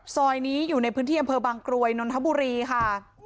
ซอยนี้อยู่ในพื้นที่อำเภอบางกรวยนนทบุรีค่ะ